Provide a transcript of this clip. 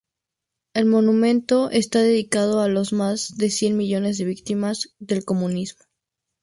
El monumento está dedicado "a los más de cien millones de víctimas del comunismo".